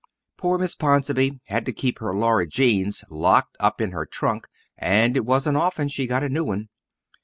Poor Miss Ponsonby had to keep her Laura Jeans locked up in her trunk, and it wasn't often she got a new one.